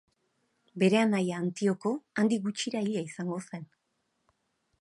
Bere anaia Antioko, handik gutxira hila izango zen.